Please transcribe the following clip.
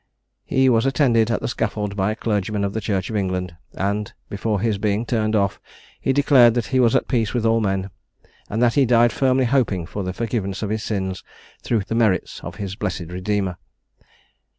He was attended at the scaffold by a clergyman of the Church of England; and before his being turned off, he declared that he was at peace with all men, and that he died firmly hoping for the forgiveness of his sins through the merits of his blessed Redeemer.